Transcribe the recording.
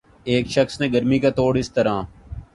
ایک شخص نے گرمی کا توڑ اس طرح